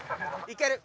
いける！